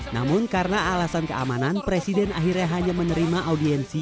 namun karena alasan keamanan presiden akhirnya hanya menerima audiensi